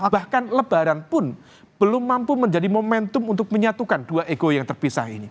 bahkan lebaran pun belum mampu menjadi momentum untuk menyatukan dua ego yang terpisah ini